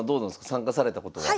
参加されたことは？